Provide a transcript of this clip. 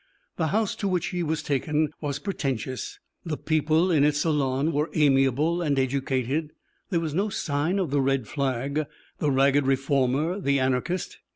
The house to which he was taken was pretentious; the people in its salon were amiable and educated; there was no sign of the red flag, the ragged reformer, the anarchist.